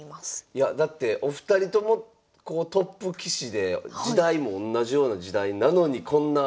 いやだってお二人ともトップ棋士で時代もおんなじような時代なのにこんな。